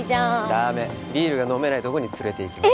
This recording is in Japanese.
ダメビールが飲めないとこに連れて行きます